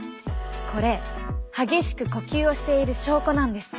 これ激しく呼吸をしている証拠なんです。